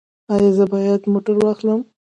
ایا زه باید موټر واخلم؟